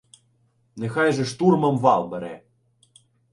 Нехай же штурмом вал бере.